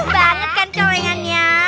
banget kan celengannya